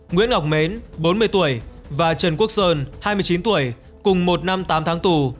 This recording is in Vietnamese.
nguyễn ngọc mến bốn mươi tuổi và trần quốc sơn hai mươi chín tuổi cùng một năm tám tháng tù